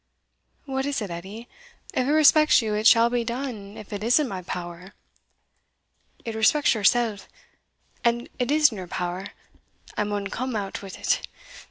"What is it, Edie? if it respects you it shall be done if it is in my power." "It respects yoursell, and it is in your power, and I maun come out wi't.